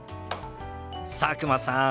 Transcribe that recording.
佐久間さん